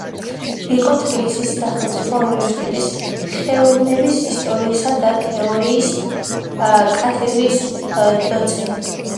იყო თბილისის სახელმწიფო უნივერსიტეტის ხელოვნების ისტორიისა და თეორიის კათედრის დოცენტი.